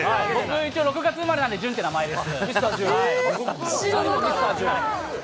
一応６月生まれなので隼っていう名前です。